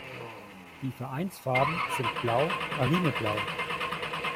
Die Vereinsfarben sind blau–marineblau.